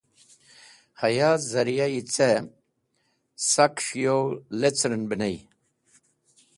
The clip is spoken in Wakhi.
Haya zariyayi ce, sakes̃h yo leceren be ney.